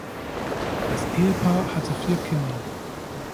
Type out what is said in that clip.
Das Ehepaar hatte vier Kinder.